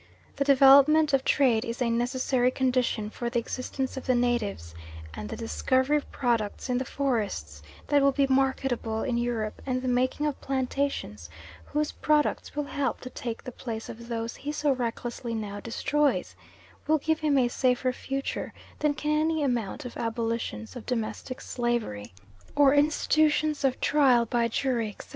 The development of trade is a necessary condition for the existence of the natives, and the discovery of products in the forests that will be marketable in Europe, and the making of plantations whose products will help to take the place of those he so recklessly now destroys, will give him a safer future than can any amount of abolitions of domestic slavery, or institutions of trial by jury, etc.